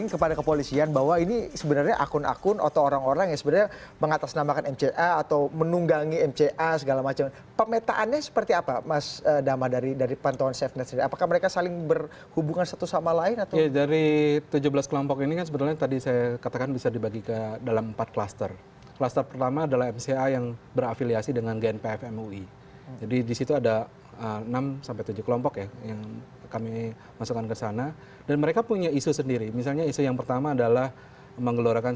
kami masukkan ke sana dan mereka punya isu sendiri misalnya isu yang pertama adalah menggelorkan